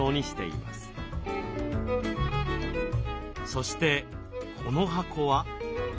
そしてこの箱は？